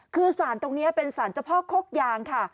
คือศานตรงนี้เป็นศานเจ้าภ่าคกยางค่ะ